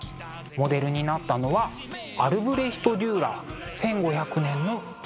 モデルになったのはアルブレヒト・デューラー「１５００年の自画像」。